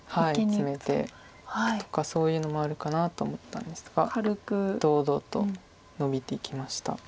ツメていくとかそういうのもあるかなと思ったんですが堂々とノビていきました。